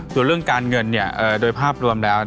ส่วนเรื่องการเงินโดยภาพรวมแล้ว